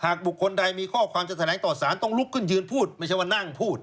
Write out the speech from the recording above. บุคคลใดมีข้อความจะแถลงต่อสารต้องลุกขึ้นยืนพูดไม่ใช่ว่านั่งพูด